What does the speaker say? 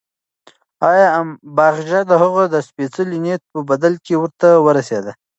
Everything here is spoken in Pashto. باغچه د هغه د سپېڅلي نیت په بدل کې ورته ورسېده.